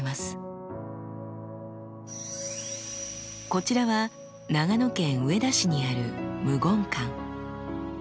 こちらは長野県上田市にある無言館。